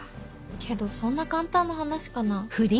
けどそんな簡単な話かな？